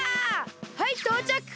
はいとうちゃく！